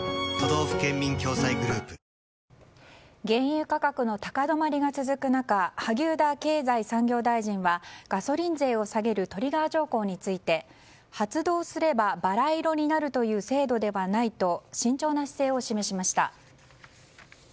原油価格の高止まりが続く中萩生田経済産業大臣はガソリン税を下げるトリガー条項について発動すればバラ色になるという制度ではないと慎重な姿勢を示しました。